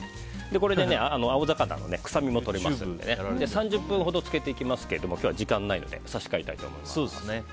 これで青魚のくさみも取れますので３０分ほど漬けていきますけども今日は時間がないので差し替えたいと思います。